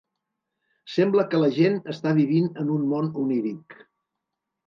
Sembla que la gent està vivint en un món oníric.